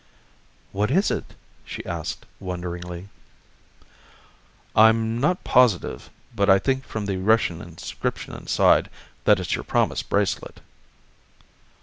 "What is it?" she asked wonderingly. "I'm not positive, but I think from the Russian inscription inside that it's your promised bracelet."